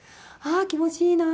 「ああ気持ちいいな！」